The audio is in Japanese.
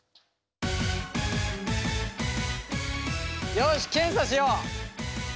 よし検査しよう！